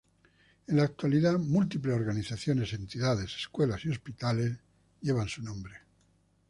En la actualidad, múltiples organizaciones, entidades, escuelas y hospitales llevan su nombre.